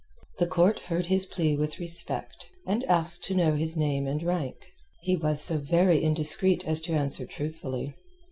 The court heard his plea with respect, and asked to know his name and rank. He was so very indiscreet as to answer truthfully.